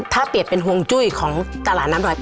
ถ้าเปรียบเป็นฮงจุ้ยของตลาดน้ำหน่อย